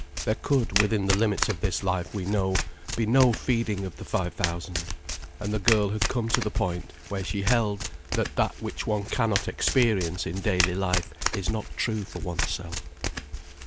There could, within the limits of this life we know, be no Feeding of the Five Thousand. And the girl had come to the point where she held that that which one cannot experience in daily life is not true for oneself.